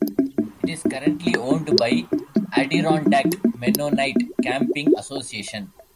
It is currently owned by Adirondack Mennonite Camping Association.